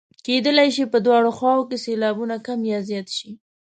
کیدلای شي په دواړو خواوو کې سېلابونه کم او زیات شي.